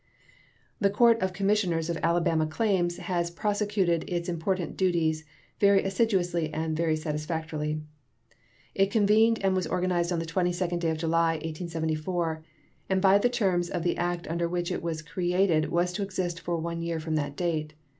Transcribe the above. The Court of Commissioners of Alabama Claims has prosecuted its important duties very assiduously and very satisfactorily. It convened and was organized on the 22d day of July, 1874, and by the terms of the act under which it was created was to exist for one year from that date.